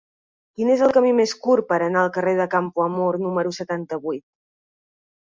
Quin és el camí més curt per anar al carrer de Campoamor número setanta-vuit?